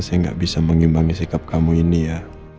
saya nggak bisa mengimbangi sikap kamu ini ya